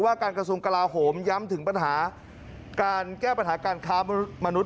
การกระทรวงกลาโหมย้ำถึงปัญหาการแก้ปัญหาการค้ามนุษย